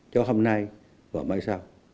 cho hôm nay và mai sau